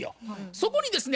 そこにですね